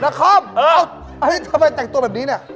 นักคอมเอ้าทำไมแต่งตัวแบบนี้เนี่ย